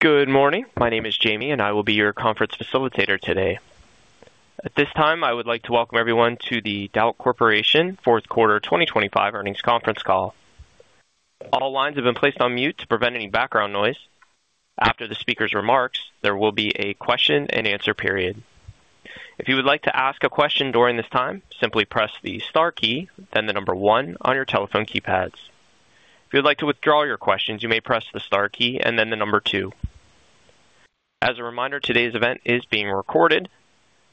Good morning. My name is Jamie, and I will be your conference facilitator today. At this time, I would like to welcome everyone to the Dauch Corporation Fourth Quarter 2025 Earnings Conference Call. All lines have been placed on mute to prevent any background noise. After the speaker's remarks, there will be a question and answer period. If you would like to ask a question during this time, simply press the star key, then the number 1 on your telephone keypads. If you'd like to withdraw your questions, you may press the star key and then the number 2. As a reminder, today's event is being recorded.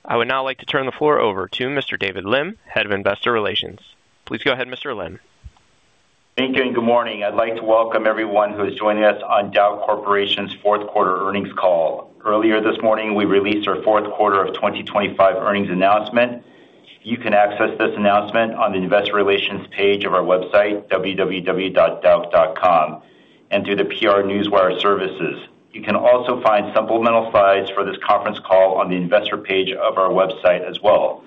I would now like to turn the floor over to Mr. David Lim, Head of Investor Relations. Please go ahead, Mr. Lim. Thank you, and good morning. I'd like to welcome everyone who is joining us on Dauch Corporation's fourth quarter earnings call. Earlier this morning, we released our fourth quarter of 2025 earnings announcement. You can access this announcement on the investor relations page of our website, www.dauch.com, and through the PR Newswire services. You can also find supplemental slides for this conference call on the investor page of our website as well.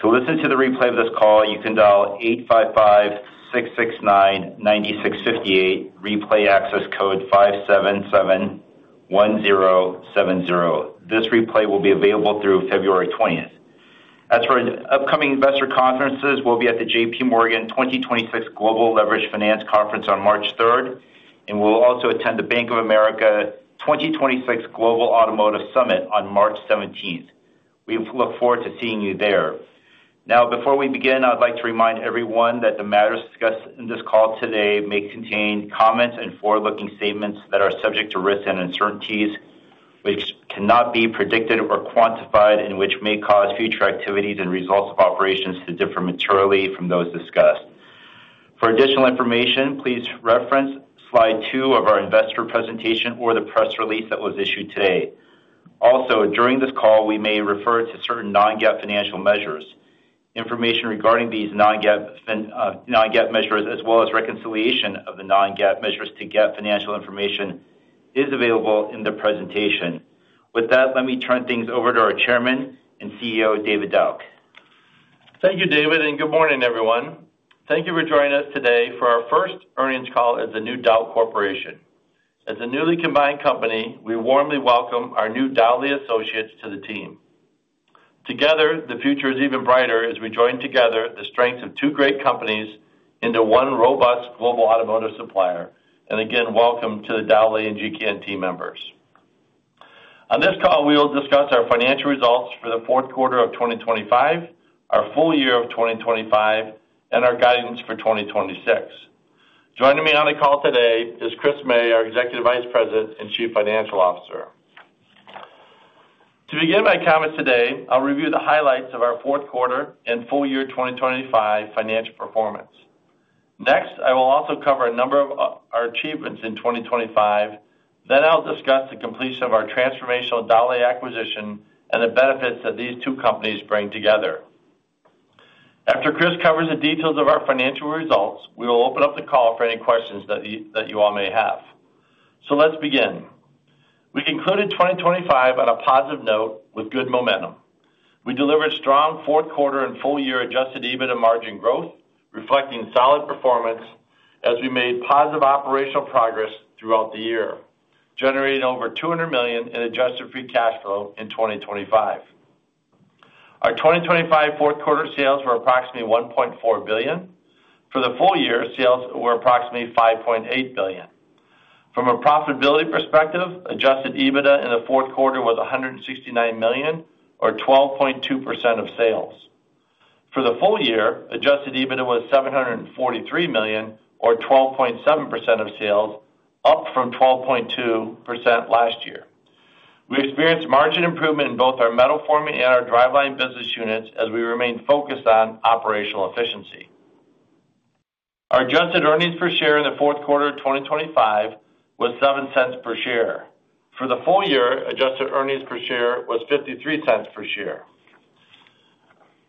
To listen to the replay of this call, you can dial 855-669-9658, replay access code 577-1070. This replay will be available through February twentieth. As for upcoming investor conferences, we'll be at the JPMorgan 2026 Global Leveraged Finance Conference on March third, and we'll also attend the Bank of America 2026 Global Automotive Summit on March seventeenth. We look forward to seeing you there. Now, before we begin, I would like to remind everyone that the matters discussed in this call today may contain comments and forward-looking statements that are subject to risks and uncertainties, which cannot be predicted or quantified, and which may cause future activities and results of operations to differ materially from those discussed. For additional information, please reference slide two of our investor presentation or the press release that was issued today. Also, during this call, we may refer to certain non-GAAP financial measures. Information regarding these non-GAAP measures, as well as reconciliation of the non-GAAP measures to GAAP financial information, is available in the presentation. With that, let me turn things over to our Chairman and CEO, David Dauch. Thank you, David, and good morning, everyone. Thank you for joining us today for our first earnings call as the new Dauch Corporation. As a newly combined company, we warmly welcome our new Dowlais associates to the team. Together, the future is even brighter as we join together the strength of two great companies into one robust global automotive supplier. Again, welcome to the Dowlais and GKN team members. On this call, we will discuss our financial results for the fourth quarter of 2025, our full year of 2025, and our guidance for 2026. Joining me on the call today is Chris May, our Executive Vice President and Chief Financial Officer. To begin my comments today, I'll review the highlights of our fourth quarter and full year 2025 financial performance. Next, I will also cover a number of our achievements in 2025. Then I'll discuss the completion of our transformational Dowlais acquisition and the benefits that these two companies bring together. After Chris May covers the details of our financial results, we will open up the call for any questions that you all may have. So let's begin. We concluded 2025 on a positive note with good momentum. We delivered strong fourth quarter and full year adjusted EBITDA margin growth, reflecting solid performance as we made positive operational progress throughout the year, generating over $200 million in adjusted free cash flow in 2025. Our 2025 fourth quarter sales were approximately $1.4 billion. For the full year, sales were approximately $5.8 billion. From a profitability perspective, adjusted EBITDA in the fourth quarter was $169 million, or 12.2% of sales. For the full year, adjusted EBITDA was $743 million, or 12.7% of sales, up from 12.2% last year. We experienced margin improvement in both our metal forming and our driveline business units as we remained focused on operational efficiency. Our adjusted earnings per share in the fourth quarter of 2025 was $0.07 per share. For the full year, adjusted earnings per share was $0.53 per share.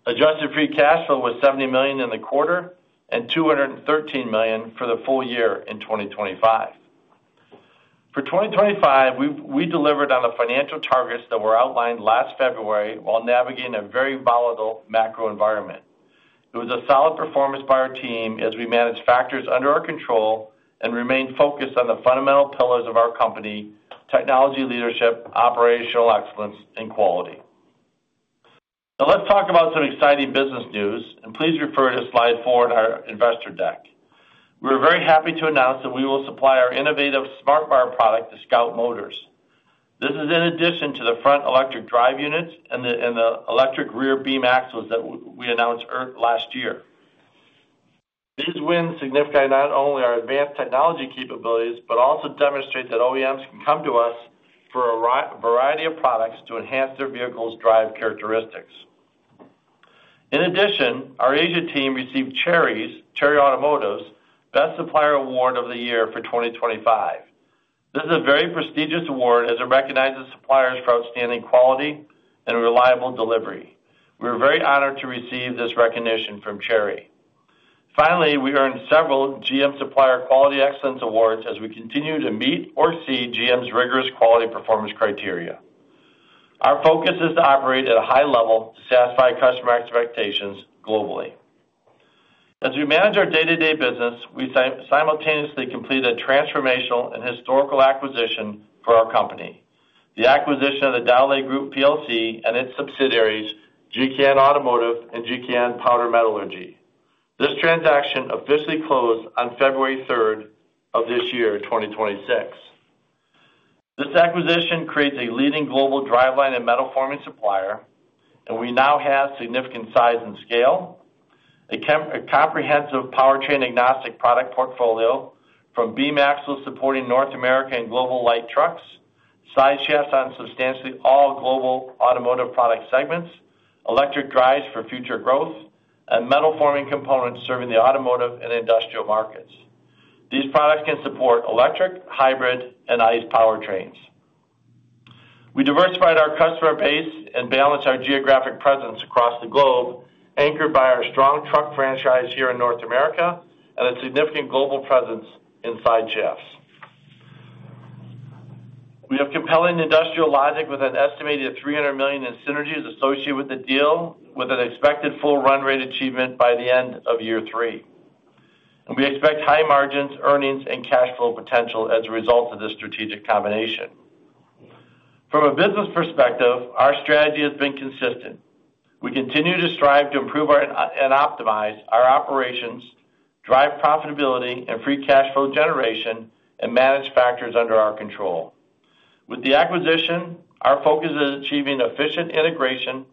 Adjusted free cash flow was $70 million in the quarter and $213 million for the full year in 2025. For 2025, we delivered on the financial targets that were outlined last February while navigating a very volatile macro environment. It was a solid performance by our team as we managed factors under our control and remained focused on the fundamental pillars of our company: technology, leadership, operational excellence, and quality. Now, let's talk about some exciting business news, and please refer to slide 4 in our investor deck. We're very happy to announce that we will supply our innovative SmartBar product to Scout Motors. This is in addition to the front electric drive units and the electric rear beam axles that we announced last year. These wins are significant not only to our advanced technology capabilities, but also demonstrate that OEMs can come to us for a variety of products to enhance their vehicles' drive characteristics. In addition, our Asia team received Chery Automobile's Best Supplier Award of the Year for 2025. This is a very prestigious award as it recognizes suppliers for outstanding quality and reliable delivery. We're very honored to receive this recognition from Chery. Finally, we earned several GM Supplier Quality Excellence Awards as we continue to meet or exceed GM's rigorous quality performance criteria. Our focus is to operate at a high level to satisfy customer expectations globally. As we manage our day-to-day business, we simultaneously complete a transformational and historical acquisition for our company. The acquisition of the Dowlais Group plc and its subsidiaries, GKN Automotive and GKN Powder Metallurgy. This transaction officially closed on February third of this year, 2026. This acquisition creates a leading global driveline and metal forming supplier, and we now have significant size and scale, a comprehensive powertrain agnostic product portfolio from beam axles supporting North America and global light trucks, sideshafts on substantially all global automotive product segments, electric drives for future growth, and metal forming components serving the automotive and industrial markets. These products can support electric, hybrid, and ICE powertrains. We diversified our customer base and balanced our geographic presence across the globe, anchored by our strong truck franchise here in North America and a significant global presence in sideshafts. We have compelling industrial logic with an estimated $300 million in synergies associated with the deal, with an expected full run rate achievement by the end of year three. We expect high margins, earnings, and cash flow potential as a result of this strategic combination. From a business perspective, our strategy has been consistent. We continue to strive to improve and optimize our operations, drive profitability and free cash flow generation, and manage factors under our control. With the acquisition, our focus is achieving efficient integration,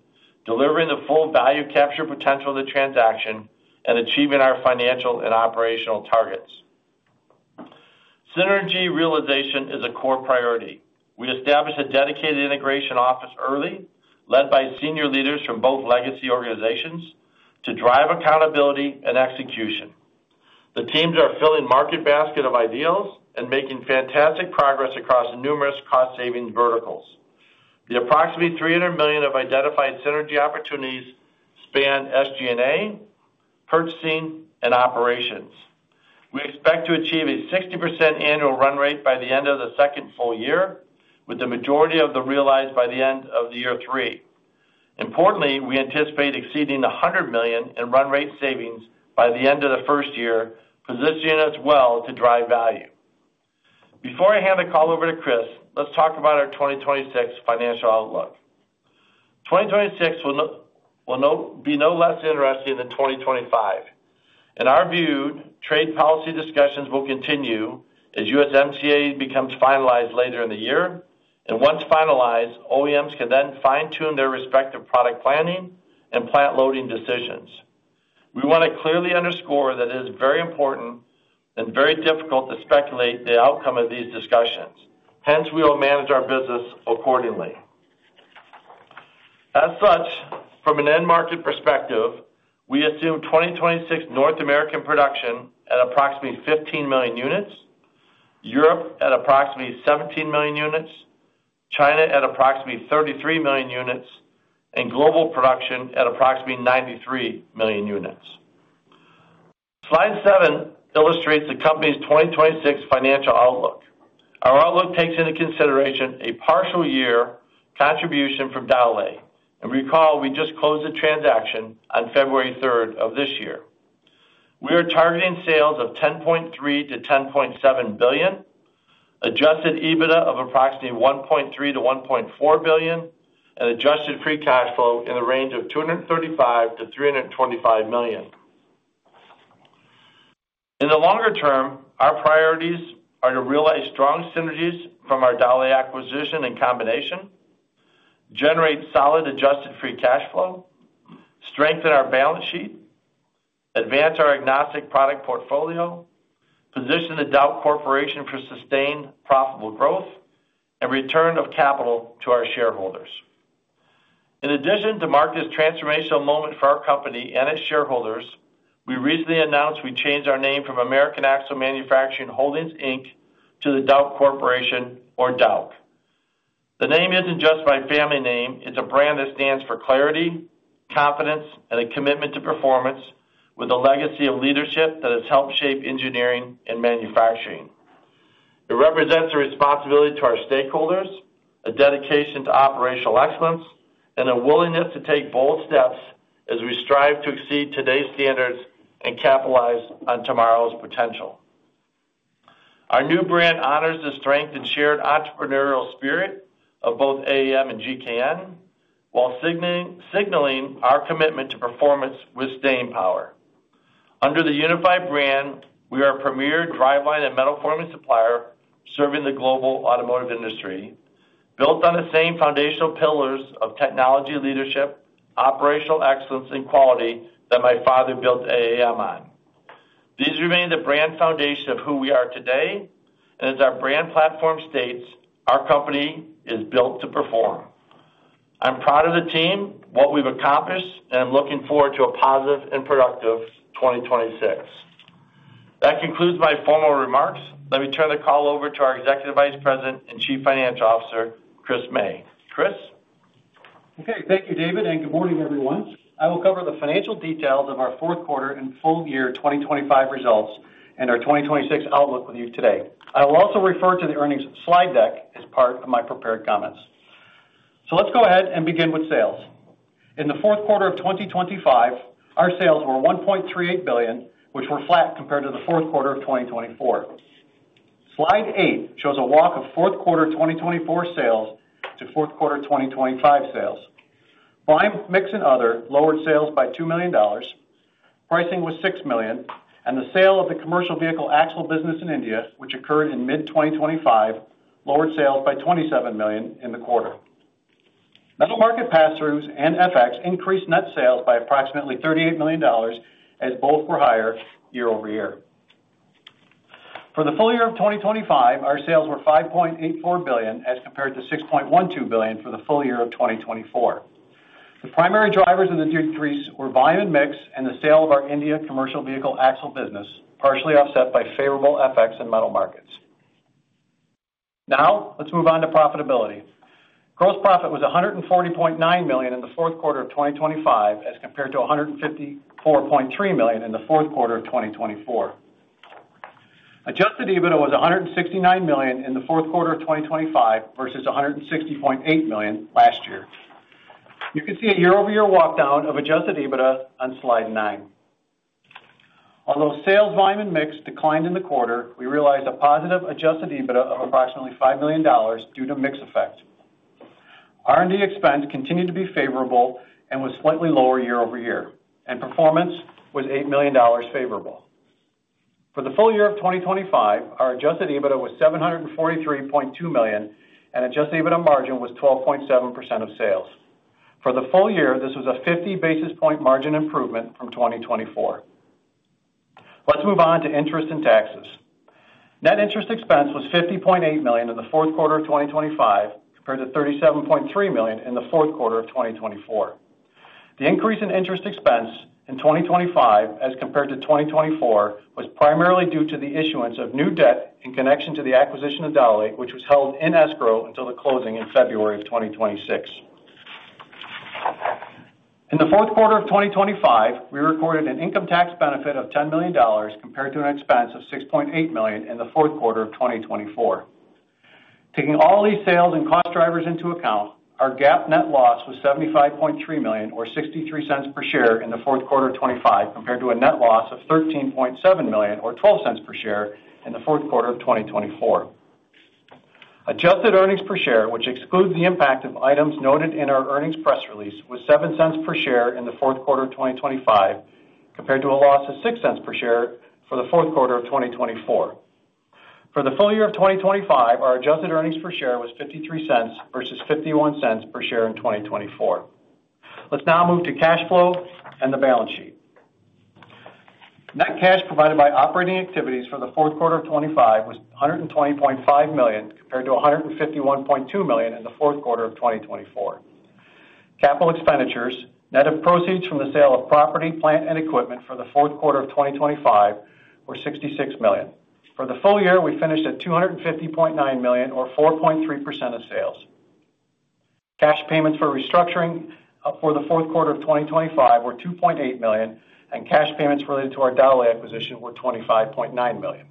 delivering the full value capture potential of the transaction, and achieving our financial and operational targets. Synergy realization is a core priority. We established a dedicated integration office early, led by senior leaders from both legacy organizations, to drive accountability and execution. The teams are filling market basket of ideas and making fantastic progress across numerous cost-saving verticals. The approximately $300 million of identified synergy opportunities span SG&A, purchasing, and operations. We expect to achieve a 60% annual run rate by the end of the second full year, with the majority of them realized by the end of the year three. Importantly, we anticipate exceeding $100 million in run rate savings by the end of the first year, positioning us well to drive value. Before I hand the call over to Chris, let's talk about our 2026 financial outlook. 2026 will be no less interesting than 2025. In our view, trade policy discussions will continue as USMCA becomes finalized later in the year, and once finalized, OEMs can then fine-tune their respective product planning and plant loading decisions. We want to clearly underscore that it is very important and very difficult to speculate the outcome of these discussions. Hence, we will manage our business accordingly. As such, from an end market perspective, we assume 2026 North American production at approximately 15 million units, Europe at approximately 17 million units, China at approximately 33 million units, and global production at approximately 93 million units. Slide 7 illustrates the company's 2026 financial outlook. Our outlook takes into consideration a partial year contribution from Dowlais. Recall, we just closed the transaction on February 3 of this year. We are targeting sales of $10.3 billion-$10.7 billion, Adjusted EBITDA of approximately $1.3 billion-$1.4 billion, and Adjusted Free Cash Flow in the range of $235 million-$325 million. In the longer term, our priorities are to realize strong synergies from our Dowlais acquisition and combination, generate solid Adjusted Free Cash Flow, strengthen our balance sheet, advance our agnostic product portfolio, position the Dauch Corporation for sustained profitable growth, and return of capital to our shareholders. In addition, to mark this transformational moment for our company and its shareholders, we recently announced we changed our name from American Axle & Manufacturing Holdings, Inc. to the Dauch Corporation or DCH. The name isn't just my family name, it's a brand that stands for clarity, confidence, and a commitment to performance with a legacy of leadership that has helped shape engineering and manufacturing. It represents a responsibility to our stakeholders, a dedication to operational excellence, and a willingness to take bold steps as we strive to exceed today's standards and capitalize on tomorrow's potential. Our new brand honors the strength and shared entrepreneurial spirit of both AAM and GKN, while signaling our commitment to performance with staying power. Under the unified brand, we are a premier driveline and metal forming supplier serving the global automotive industry, built on the same foundational pillars of technology, leadership, operational excellence, and quality that my father built AAM on. These remain the brand foundation of who we are today, and as our brand platform states, our company is built to perform. I'm proud of the team, what we've accomplished, and I'm looking forward to a positive and productive 2026. That concludes my formal remarks. Let me turn the call over to our Executive Vice President and Chief Financial Officer, Chris May. Chris? Okay, thank you, David, and good morning, everyone. I will cover the financial details of our fourth quarter and full year 2025 results and our 2026 outlook with you today. I will also refer to the earnings slide deck as part of my prepared comments. So let's go ahead and begin with sales. In the fourth quarter of 2025, our sales were $1.38 billion, which were flat compared to the fourth quarter of 2024. Slide 8 shows a walk of fourth quarter 2024 sales to fourth quarter 2025 sales. Volume, mix and other lowered sales by $2 million, pricing was $6 million, and the sale of the commercial vehicle axle business in India, which occurred in mid-2025, lowered sales by $27 million in the quarter. Metal market pass-throughs and FX increased net sales by approximately $38 million, as both were higher year-over-year. For the full year of 2025, our sales were $5.84 billion, as compared to $6.12 billion for the full year of 2024. The primary drivers of the decrease were volume and mix, and the sale of our India Commercial Vehicle Axle business, partially offset by favorable FX and metal markets. Now, let's move on to profitability. Gross profit was $140.9 million in the fourth quarter of 2025, as compared to $154.3 million in the fourth quarter of 2024. Adjusted EBITDA was $169 million in the fourth quarter of 2025, versus $160.8 million last year. You can see a year-over-year walk down of adjusted EBITDA on Slide 9. Although sales volume and mix declined in the quarter, we realized a positive adjusted EBITDA of approximately $5 million due to mix effect. R&D expense continued to be favorable and was slightly lower year over year, and performance was $8 million favorable. For the full year of 2025, our adjusted EBITDA was $743.2 million, and adjusted EBITDA margin was 12.7% of sales. For the full year, this was a 50 basis point margin improvement from 2024. Let's move on to interest and taxes. Net interest expense was $50.8 million in the fourth quarter of 2025, compared to $37.3 million in the fourth quarter of 2024. The increase in interest expense in 2025 as compared to 2024, was primarily due to the issuance of new debt in connection to the acquisition of Dowlais, which was held in escrow until the closing in February of 2026. In the fourth quarter of 2025, we recorded an income tax benefit of $10 million, compared to an expense of $6.8 million in the fourth quarter of 2024. Taking all these sales and cost drivers into account, our GAAP net loss was $75.3 million, or $0.63 per share in the fourth quarter of 2025, compared to a net loss of $13.7 million or $0.12 per share in the fourth quarter of 2024. Adjusted earnings per share, which excludes the impact of items noted in our earnings press release, was $0.07 per share in the fourth quarter of 2025, compared to a loss of $0.06 per share for the fourth quarter of 2024. For the full year of 2025, our adjusted earnings per share was $0.53 versus $0.51 per share in 2024. Let's now move to cash flow and the balance sheet. Net cash provided by operating activities for the fourth quarter of 2025 was $120.5 million, compared to $151.2 million in the fourth quarter of 2024. Capital expenditures, net of proceeds from the sale of property, plant and equipment for the fourth quarter of 2025 were $66 million. For the full year, we finished at $250.9 million or 4.3% of sales. Cash payments for restructuring for the fourth quarter of 2025 were $2.8 million, and cash payments related to our Dowlais acquisition were $25.9 million.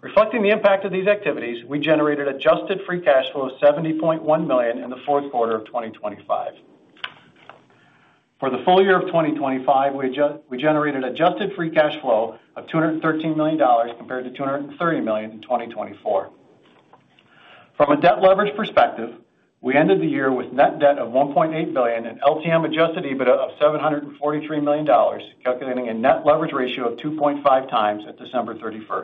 Reflecting the impact of these activities, we generated adjusted free cash flow of $70.1 million in the fourth quarter of 2025. For the full year of 2025, we generated adjusted free cash flow of $213 million compared to $230 million in 2024. From a debt leverage perspective, we ended the year with net debt of $1.8 billion and LTM adjusted EBITDA of $743 million, calculating a net leverage ratio of 2.5x at December 31.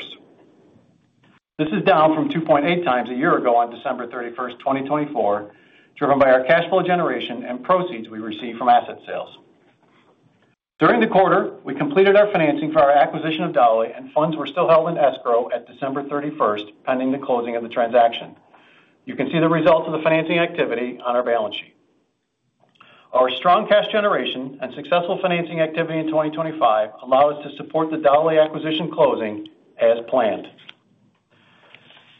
This is down from 2.8 times a year ago on December 31, 2024, driven by our cash flow generation and proceeds we received from asset sales. During the quarter, we completed our financing for our acquisition of Dowlais, and funds were still held in escrow at December 31, pending the closing of the transaction. You can see the results of the financing activity on our balance sheet. Our strong cash generation and successful financing activity in 2025 allow us to support the Dowlais acquisition closing as planned.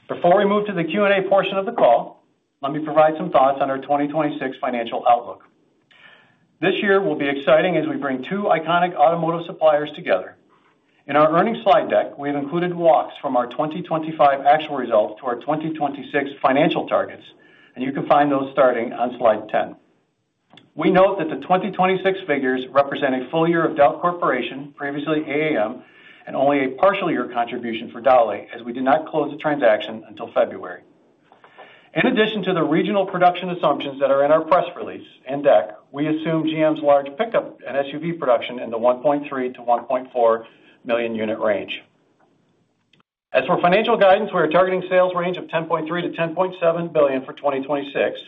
Before we move to the Q&A portion of the call, let me provide some thoughts on our 2026 financial outlook. This year will be exciting as we bring two iconic automotive suppliers together. In our earnings slide deck, we have included walks from our 2025 actual results to our 2026 financial targets, and you can find those starting on Slide 10. We note that the 2026 figures represent a full year of Dauch Corporation, previously AAM, and only a partial year contribution for Dowlais, as we did not close the transaction until February. In addition to the regional production assumptions that are in our press release and deck, we assume GM's large pickup and SUV production in the 1.3-1.4 million unit range. As for financial guidance, we are targeting sales range of $10.3 billion-$10.7 billion for 2026.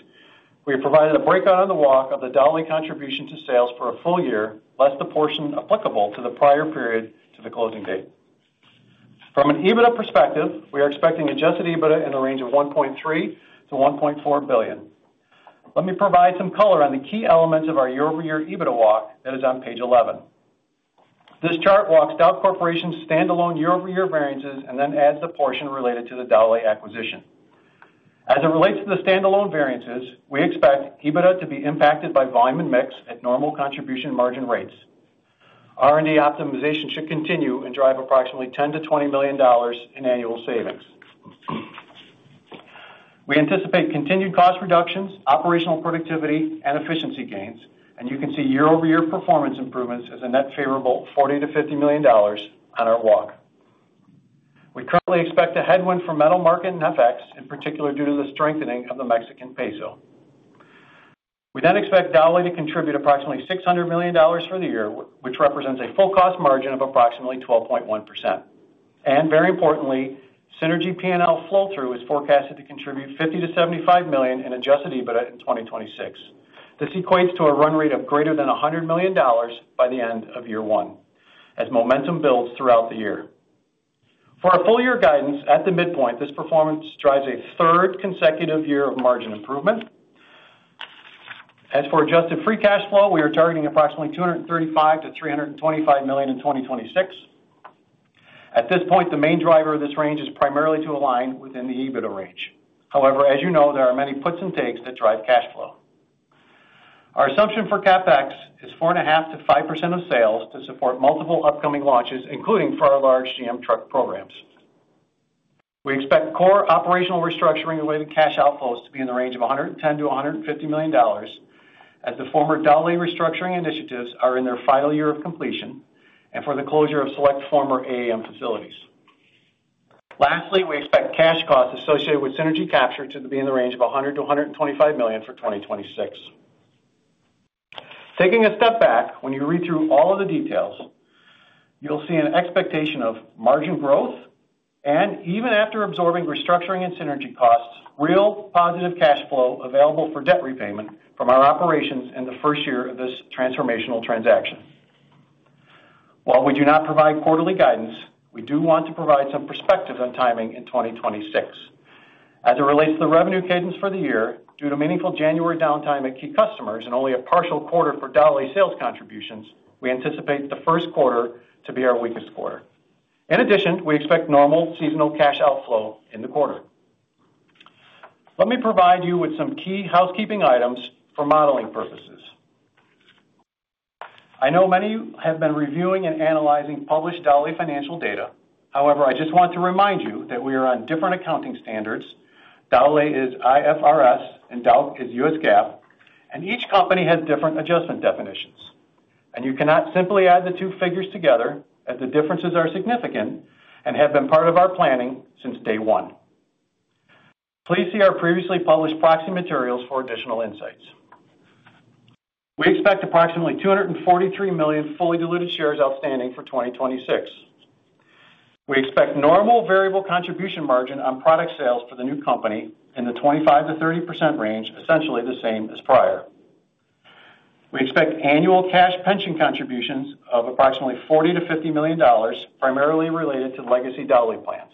We have provided a breakdown on the walk of the Dowlais contribution to sales for a full year, less the portion applicable to the prior period to the closing date. From an EBITDA perspective, we are expecting adjusted EBITDA in the range of $1.3 billion-$1.4 billion. Let me provide some color on the key elements of our year-over-year EBITDA walk that is on page 11. This chart walks Dauch Corporation's standalone year-over-year variances and then adds the portion related to the Dowlais acquisition. As it relates to the standalone variances, we expect EBITDA to be impacted by volume and mix at normal contribution margin rates. R&D optimization should continue and drive approximately $10 million-$20 million in annual savings. We anticipate continued cost reductions, operational productivity, and efficiency gains, and you can see year-over-year performance improvements as a net favorable $40 million-$50 million on our walk. We currently expect a headwind from metal market and FX, in particular, due to the strengthening of the Mexican peso. We then expect Dauch to contribute approximately $600 million for the year, which represents a full cost margin of approximately 12.1%. And very importantly, synergy P&L flow-through is forecasted to contribute $50 million-$75 million in adjusted EBITDA in 2026. This equates to a run rate of greater than $100 million by the end of year one, as momentum builds throughout the year. For our full year guidance, at the midpoint, this performance drives a third consecutive year of margin improvement. As for adjusted free cash flow, we are targeting approximately $235 million-$325 million in 2026. At this point, the main driver of this range is primarily to align within the EBITDA range. However, as you know, there are many puts and takes that drive cash flow. Our assumption for CapEx is 4.5%-5% of sales to support multiple upcoming launches, including for our large GM truck programs. We expect core operational restructuring-related cash outflows to be in the range of $110 million-$150 million, as the former Dowlais restructuring initiatives are in their final year of completion and for the closure of select former AAM facilities. Lastly, we expect cash costs associated with synergy capture to be in the range of $100 million-$125 million for 2026. Taking a step back, when you read through all of the details, you'll see an expectation of margin growth, and even after absorbing restructuring and synergy costs, real positive cash flow available for debt repayment from our operations in the first year of this transformational transaction. While we do not provide quarterly guidance, we do want to provide some perspective on timing in 2026. As it relates to the revenue cadence for the year, due to meaningful January downtime at key customers and only a partial quarter for Dowlais sales contributions, we anticipate the first quarter to be our weakest quarter. In addition, we expect normal seasonal cash outflow in the quarter. Let me provide you with some key housekeeping items for modeling purposes. I know many have been reviewing and analyzing published Dowlais financial data. However, I just want to remind you that we are on different accounting standards. Dowlais is IFRS and Dauch is U.S. GAAP, and each company has different adjustment definitions. You cannot simply add the two figures together, as the differences are significant and have been part of our planning since day one. Please see our previously published proxy materials for additional insights. We expect approximately 243 million fully diluted shares outstanding for 2026. We expect normal variable contribution margin on product sales for the new company in the 25%-30% range, essentially the same as prior. We expect annual cash pension contributions of approximately $40 million-$50 million, primarily related to legacy Dauch plans.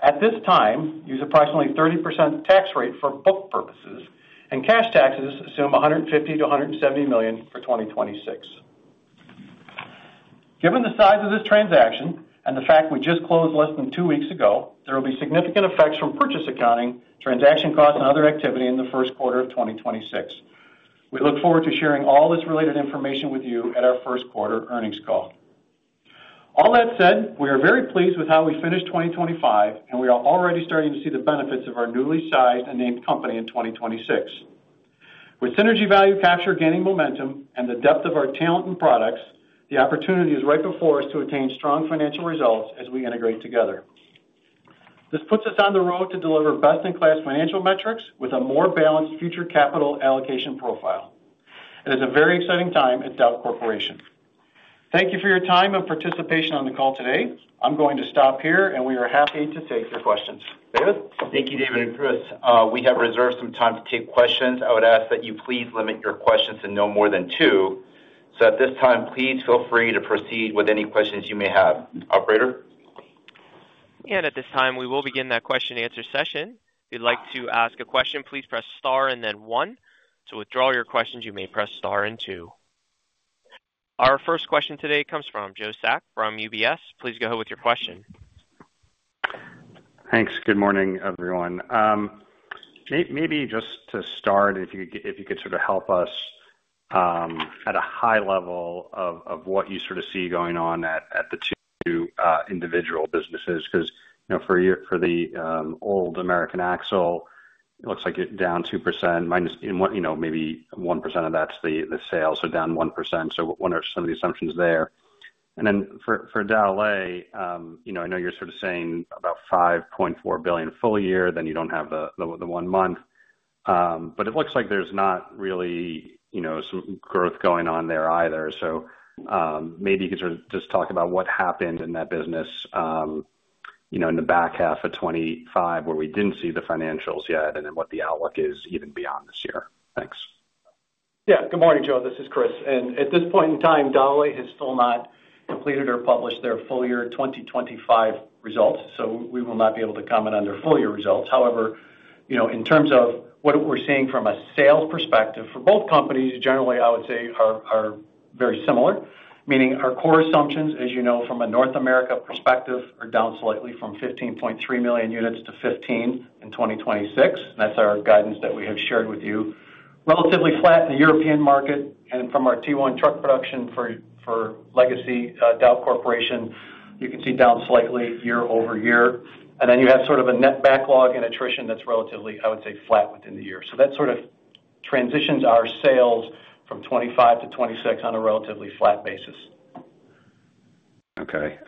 At this time, use approximately 30% tax rate for book purposes, and cash taxes assume $150 million-$170 million for 2026. Given the size of this transaction and the fact we just closed less than two weeks ago, there will be significant effects from purchase accounting, transaction costs, and other activity in the first quarter of 2026. We look forward to sharing all this related information with you at our first quarter earnings call. All that said, we are very pleased with how we finished 2025, and we are already starting to see the benefits of our newly sized and named company in 2026. With synergy value capture gaining momentum and the depth of our talent and products, the opportunity is right before us to attain strong financial results as we integrate together. This puts us on the road to deliver best-in-class financial metrics with a more balanced future capital allocation profile. It is a very exciting time at Dauch Corporation. Thank you for your time and participation on the call today. I'm going to stop here, and we are happy to take your questions. David? Thank you, David and Chris. We have reserved some time to take questions. I would ask that you please limit your questions to no more than two. At this time, please feel free to proceed with any questions you may have. Operator? At this time, we will begin that question-and-answer session. If you'd like to ask a question, please press Star and then One. To withdraw your questions, you may press Star and Two. Our first question today comes from Joe Spak from UBS. Please go ahead with your question. Thanks. Good morning, everyone. Maybe just to start, if you could sort of help us at a high level of what you sort of see going on at the two individual businesses, because, you know, for the old American Axle, it looks like you're down 2% minus, you know, maybe 1% of that's the sales, so down 1%. So what are some of the assumptions there? And then for Dowlais, you know, I know you're sort of saying about $5.4 billion full year, then you don't have the one month, but it looks like there's not really, you know, some growth going on there either. Maybe you could sort of just talk about what happened in that business, you know, in the back half of 2025, where we didn't see the financials yet, and then what the outlook is even beyond this year. Thanks. Yeah. Good morning, Joe. This is Chris. At this point in time, Dowlais has still not completed or published their full year 2025 results, so we will not be able to comment on their full year results. However, you know, in terms of what we're seeing from a sales perspective, for both companies, generally, I would say are very similar, meaning our core assumptions, as you know, from a North America perspective, are down slightly from 15.3 million units to 15 in 2026. That's our guidance that we have shared with you... relatively flat in the European market, and from our T1 Truck production for legacy Dowlais, you can see down slightly year-over-year. And then you have sort of a net backlog and attrition that's relatively, I would say, flat within the year. That sort of transitions our sales from 2025 to 2026 on a relatively flat basis. Okay.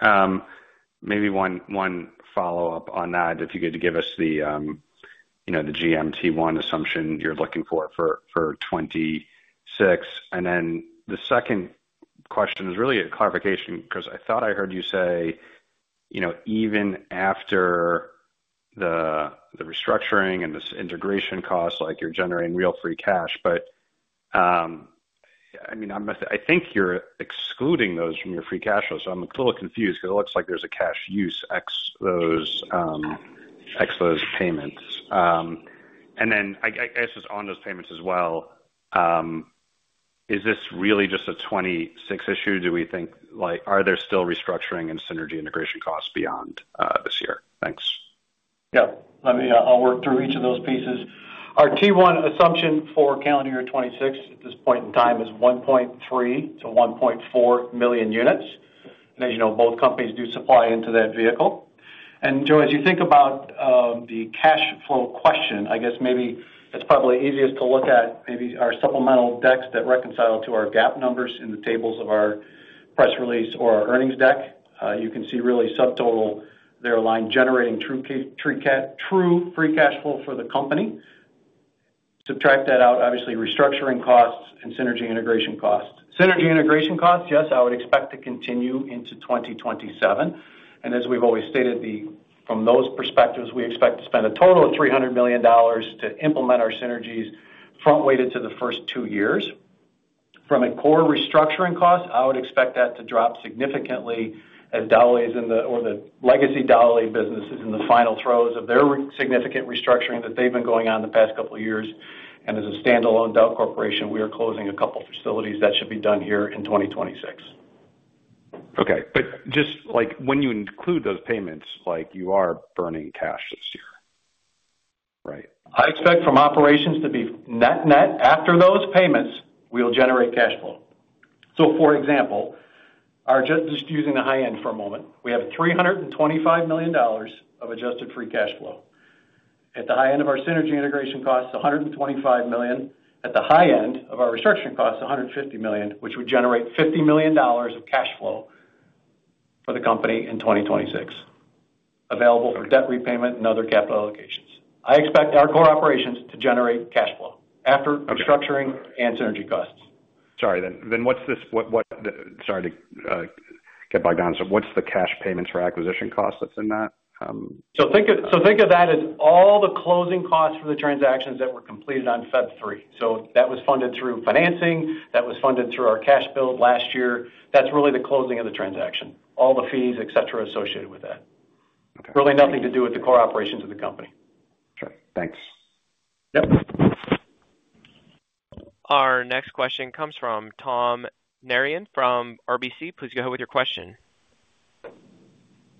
Maybe one follow-up on that, if you could give us the, you know, the GM T1 assumption you're looking for for 2026. And then the second question is really a clarification, because I thought I heard you say, you know, even after the restructuring and this integration costs, like you're generating real free cash. But, I mean, I think you're excluding those from your free cash flow, so I'm a little confused, because it looks like there's a cash use ex those, ex those payments. And then I guess just on those payments as well, is this really just a 2026 issue? Do we think, like, are there still restructuring and synergy integration costs beyond this year? Thanks. Yeah. Let me, I'll work through each of those pieces. Our T1 assumption for calendar year 2026, at this point in time, is 1.3-1.4 million units. And as you know, both companies do supply into that vehicle. And Joe, as you think about, the cash flow question, I guess maybe it's probably easiest to look at maybe our supplemental decks that reconcile to our GAAP numbers in the tables of our press release or our earnings deck. You can see really subtotal, they're a line generating true free cash flow for the company. Subtract that out, obviously, restructuring costs and synergy integration costs. Synergy integration costs, yes, I would expect to continue into 2027. As we've always stated, from those perspectives, we expect to spend a total of $300 million to implement our synergies, front-weighted to the first two years. From a core restructuring cost, I would expect that to drop significantly as Dowlais's in the, or the legacy Dowlais businesses in the final throes of their significant restructuring that's been going on the past couple of years. As a standalone Dauch Corporation, we are closing a couple of facilities. That should be done here in 2026. Okay. But just, like, when you include those payments, like, you are burning cash this year, right? I expect from operations to be net net. After those payments, we'll generate cash flow. So, for example, just using the high end for a moment, we have $325 million of Adjusted Free Cash Flow. At the high end of our synergy integration costs, $125 million. At the high end of our restructuring costs, $150 million, which would generate $50 million of cash flow for the company in 2026, available for debt repayment and other capital allocations. I expect our core operations to generate cash flow after restructuring and synergy costs. Sorry, then what's this? What, sorry to get bogged down. So what's the cash payments for acquisition costs that's in that? So think of that as all the closing costs for the transactions that were completed on February 3. So that was funded through financing, that was funded through our cash build last year. That's really the closing of the transaction, all the fees, et cetera, associated with that. Okay. Really nothing to do with the core operations of the company. Sure. Thanks. Yep. Our next question comes from Tom Narayan from RBC. Please go ahead with your question.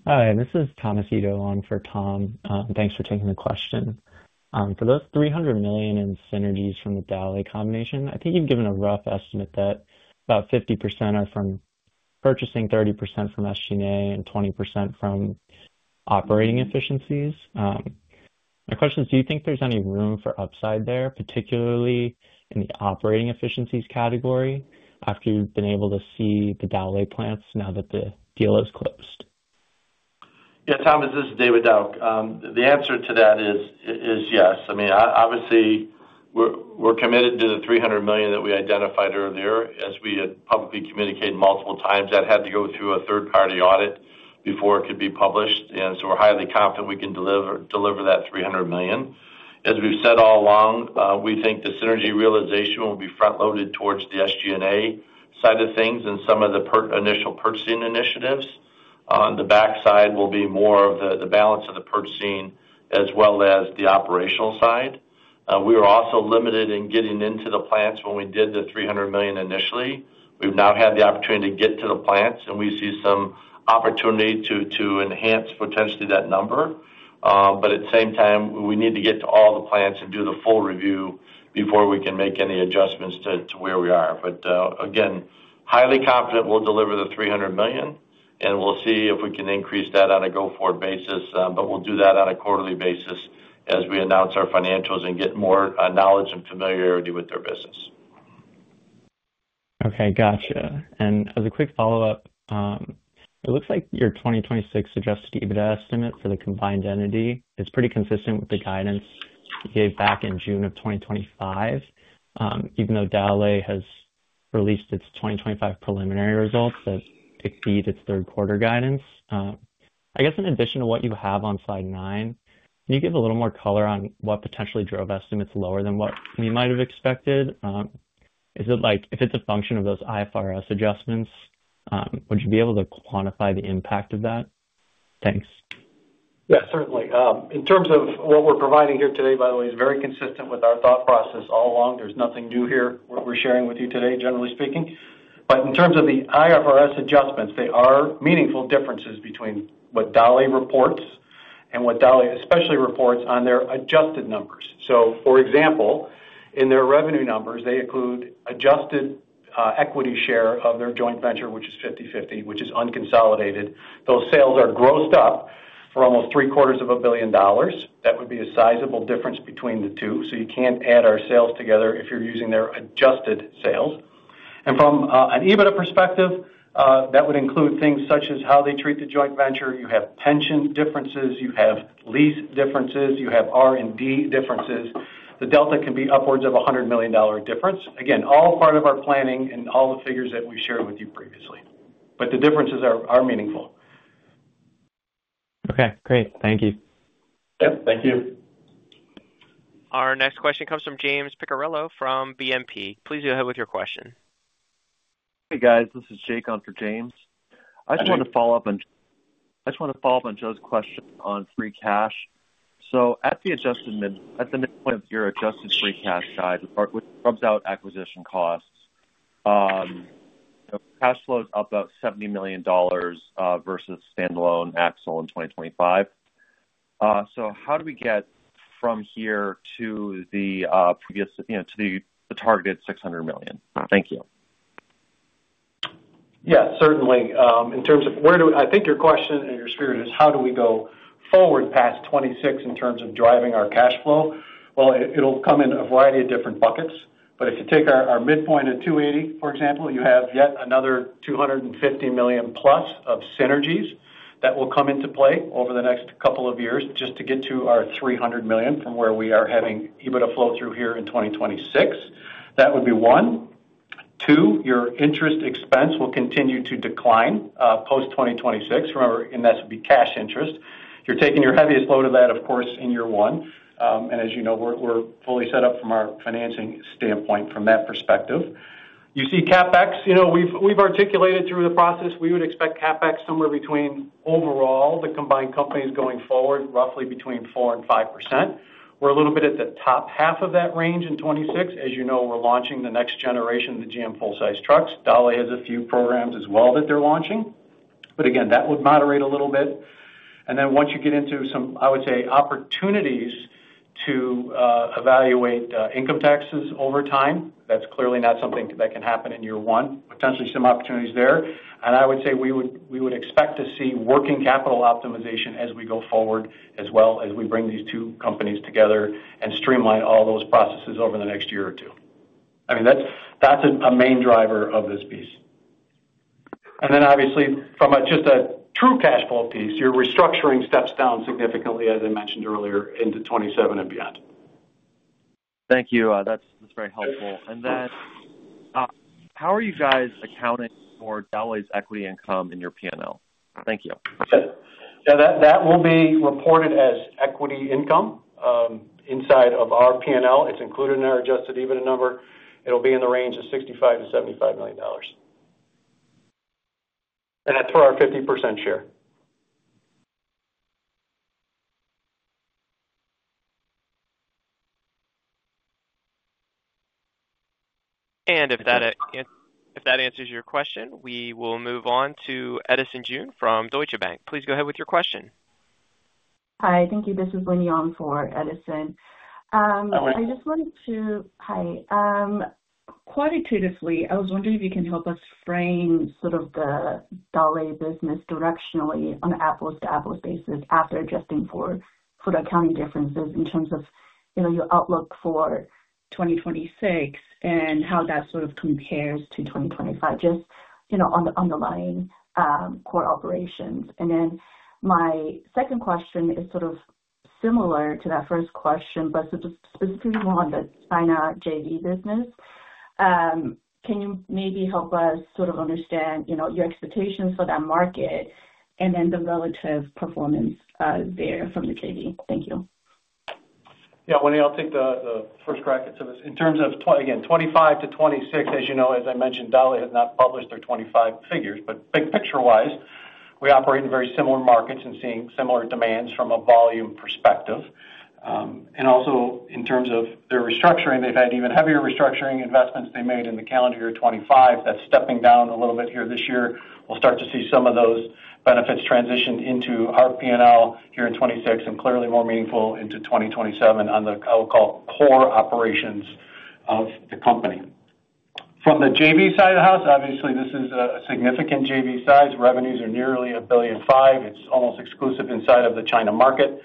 Hi, this is Thomas Ito calling for Tom. Thanks for taking the question. For those $300 million in synergies from the Dowlais combination, I think you've given a rough estimate that about 50% are from purchasing, 30% from SG&A, and 20% from operating efficiencies. My question is: Do you think there's any room for upside there, particularly in the operating efficiencies category, after you've been able to see the Dowlais plants now that the deal is closed? Yeah, Tom, this is David Dauch. The answer to that is, is yes. I mean, obviously, we're, we're committed to the $300 million that we identified earlier. As we had publicly communicated multiple times, that had to go through a third-party audit before it could be published, and so we're highly confident we can deliver, deliver that $300 million. As we've said all along, we think the synergy realization will be front-loaded towards the SG&A side of things and some of the pur- initial purchasing initiatives. On the backside will be more of the, the balance of the purchasing as well as the operational side. We were also limited in getting into the plants when we did the $300 million initially. We've now had the opportunity to get to the plants, and we see some opportunity to, to enhance potentially that number. But at the same time, we need to get to all the plants and do the full review before we can make any adjustments to where we are. But, again, highly confident we'll deliver the $300 million, and we'll see if we can increase that on a go-forward basis. But we'll do that on a quarterly basis as we announce our financials and get more knowledge and familiarity with their business. Okay, gotcha. And as a quick follow-up, it looks like your 2026 Adjusted EBITDA estimate for the combined entity is pretty consistent with the guidance you gave back in June 2025. Even though Dowlais has released its 2025 preliminary results that exceed its third quarter guidance. I guess in addition to what you have on slide 9, can you give a little more color on what potentially drove estimates lower than what you might have expected? Is it like, if it's a function of those IFRS adjustments, would you be able to quantify the impact of that? Thanks. Yeah, certainly. In terms of what we're providing here today, by the way, is very consistent with our thought process all along. There's nothing new here, what we're sharing with you today, generally speaking. But in terms of the IFRS adjustments, they are meaningful differences between what Dowlais reports and what Dowlais especially reports on their adjusted numbers. So for example, in their revenue numbers, they include adjusted equity share of their joint venture, which is 50/50, which is unconsolidated. Those sales are grossed up for almost $750 million. That would be a sizable difference between the two, so you can't add our sales together if you're using their adjusted sales. And from an EBITDA perspective, that would include things such as how they treat the joint venture. You have pension differences, you have lease differences, you have R&D differences. The delta can be upwards of $100 million difference. Again, all part of our planning and all the figures that we've shared with you previously, but the differences are meaningful. Okay, great. Thank you. Yep, thank you. Our next question comes from James Picariello from BNP. Please go ahead with your question. Hey, guys, this is Jake on for James. I just want to follow up on Joe's question on free cash. So at the midpoint of your adjusted free cash guide, which rubs out acquisition costs, cash flow is up about $70 million versus standalone Axle in 2025. So how do we get from here to the previous, you know, to the targeted $600 million? Thank you. Yeah, certainly. In terms of where do I... I think your question and your spirit is, how do we go forward past 2026 in terms of driving our cash flow? Well, it, it'll come in a variety of different buckets, but if you take our, our midpoint at 280, for example, you have yet another $250 million+ of synergies that will come into play over the next couple of years just to get to our $300 million from where we are having EBITDA flow through here in 2026. That would be one. Two, your interest expense will continue to decline post 2026, remember, and that would be cash interest. You're taking your heaviest load of that, of course, in year one. And as you know, we're, we're fully set up from our financing standpoint from that perspective. You see CapEx, you know, we've, we've articulated through the process, we would expect CapEx somewhere between overall the combined companies going forward, roughly between 4%-5%. We're a little bit at the top half of that range in 2026. As you know, we're launching the next generation of the GM full-size trucks. Dowlais has a few programs as well that they're launching, but again, that would moderate a little bit. And then once you get into some, I would say, opportunities to evaluate income taxes over time, that's clearly not something that can happen in year one. Potentially some opportunities there. And I would say we would, we would expect to see working capital optimization as we go forward, as well as we bring these two companies together and streamline all those processes over the next year or two. I mean, that's a main driver of this piece. And then obviously from just a true cash flow piece, your restructuring steps down significantly, as I mentioned earlier, into 2027 and beyond. Thank you. That's, that's very helpful. And then, how are you guys accounting for Dowlais's equity income in your P&L? Thank you. Yeah, that will be reported as equity income inside of our P&L. It's included in our Adjusted EBITDA number. It'll be in the range of $65 million-$75 million. And that's for our 50% share. If that answers your question, we will move on to Edison Yu from Deutsche Bank. Please go ahead with your question. Hi, thank you. This is Winnie on for Edison. Qualitatively, I was wondering if you can help us frame sort of the Dowlais business directionally on an apples-to-apples basis after adjusting for, for the accounting differences in terms of, you know, your outlook for 2026 and how that sort of compares to 2025, just, you know, on the underlying, core operations. And then my second question is sort of similar to that first question, but specifically more on the China JV business. Can you maybe help us sort of understand, you know, your expectations for that market and then the relative performance there from the JV? Thank you. Yeah, Winnie, I'll take the first crack at this. In terms of 2025-2026, as you know, as I mentioned, Dowlais has not published their 2025 figures, but big picture-wise, we operate in very similar markets and seeing similar demands from a volume perspective. And also in terms of their restructuring, they've had even heavier restructuring investments they made in the calendar year 2025. That's stepping down a little bit here this year. We'll start to see some of those benefits transitioned into our P&L here in 2026, and clearly more meaningful into 2027 on the, I'll call, core operations of the company. From the JV side of the house, obviously, this is a significant JV size. Revenues are nearly $1.5 billion. It's almost exclusive inside of the China market.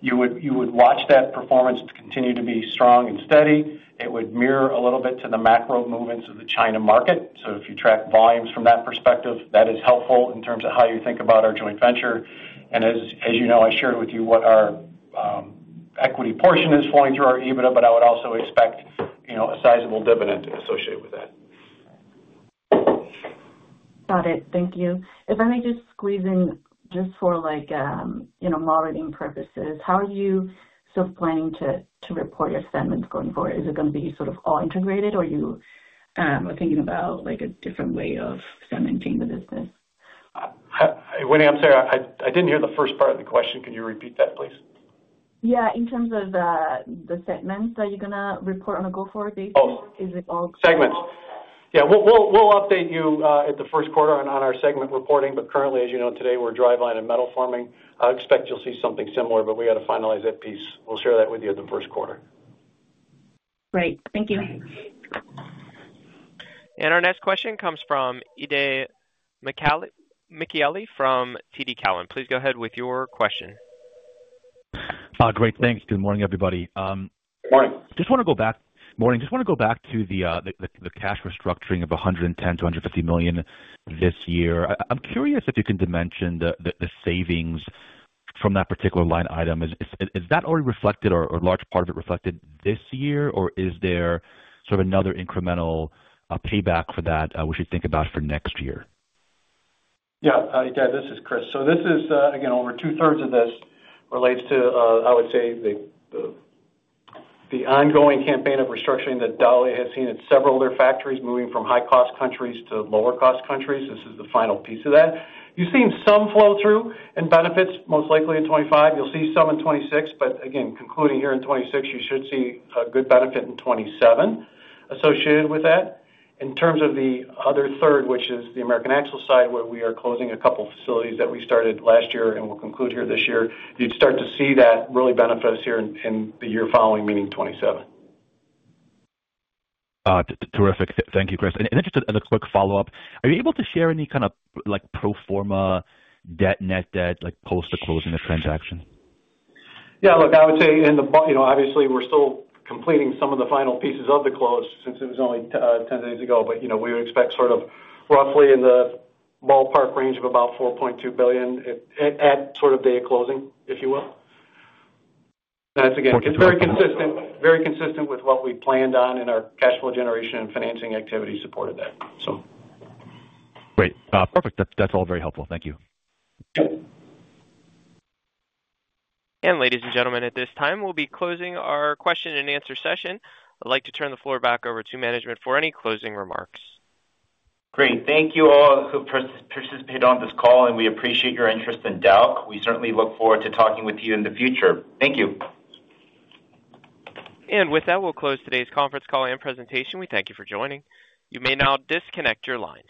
You would watch that performance continue to be strong and steady. It would mirror a little bit to the macro movements of the China market. So if you track volumes from that perspective, that is helpful in terms of how you think about our joint venture. And as, as you know, I shared with you what our, equity portion is flowing through our EBITDA, but I would also expect, you know, a sizable dividend associated with that. Got it. Thank you. If I may just squeeze in, just for, like, you know, modeling purposes, how are you sort of planning to report your segments going forward? Is it going to be sort of all integrated, or you are thinking about, like, a different way of segmenting the business? Winnie, I'm sorry, I didn't hear the first part of the question. Can you repeat that, please?... Yeah, in terms of the segments that you're gonna report on a go-forward basis, is it all- Segments. Yeah, we'll update you at the first quarter on our segment reporting, but currently, as you know, today, we're driveline and metal forming. I expect you'll see something similar, but we got to finalize that piece. We'll share that with you in the first quarter. Great. Thank you. Our next question comes from Itay Michaeli from TD Cowen. Please go ahead with your question. Great, thanks. Good morning, everybody. Good morning. Just wanna go back to the cash restructuring of $110 million-$150 million this year. I'm curious if you can dimension the savings from that particular line item. Is that already reflected or a large part of it reflected this year? Or is there sort of another incremental payback for that we should think about for next year? Yeah. Itay, this is Chris. So this is, again, over two thirds of this relates to, I would say, the ongoing campaign of restructuring that Dauch has seen at several other factories, moving from high-cost countries to lower-cost countries. This is the final piece of that. You've seen some flow through in benefits, most likely in 2025. You'll see some in 2026, but again, concluding here in 2026, you should see a good benefit in 2027 associated with that. In terms of the other third, which is the American Axle side, where we are closing a couple facilities that we started last year and will conclude here this year, you'd start to see that really benefit us here in the year following, meaning 2027. Terrific. Thank you, Chris. Just as a quick follow-up, are you able to share any kind of like pro forma debt, net debt, like post the closing the transaction? Yeah, look, I would say in the you know, obviously, we're still completing some of the final pieces of the close since it was only 10 days ago, but, you know, we would expect sort of roughly in the ballpark range of about $4.2 billion at sort of day of closing, if you will. That's again, very consistent, very consistent with what we planned on in our cash flow generation and financing activity supported that. So... Great. Perfect. That's, that's all very helpful. Thank you. Sure. Ladies and gentlemen, at this time, we'll be closing our question and answer session. I'd like to turn the floor back over to management for any closing remarks. Great. Thank you all who participated on this call, and we appreciate your interest in Dauch. We certainly look forward to talking with you in the future. Thank you. With that, we'll close today's conference call and presentation. We thank you for joining. You may now disconnect your line.